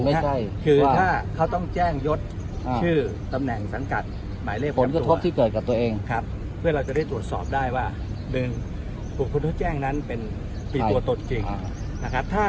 ไม่ใช่คือถ้าเขาต้องแจ้งยศชื่อตำแหน่งสังหรัฐ